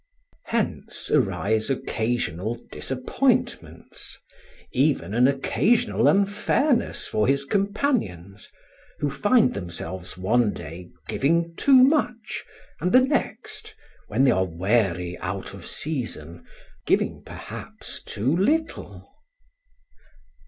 Hence arise occasional disappointments; even an occasional unfairness for his companions, who find themselves one day giving too much, and the next, when they are wary out of season, giving perhaps too little.